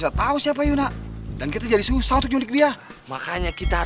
aku mau pinjam motornya sebentar